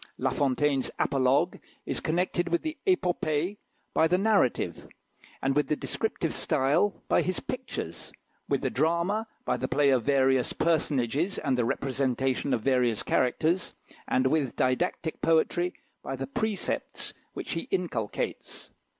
La Fontaine's apologue is connected with the épopée by the narrative, with the descriptive style by his pictures, with the drama by the play of various personages, and the representation of various characters, and with didactic poetry by the precepts which he inculcates.